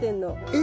え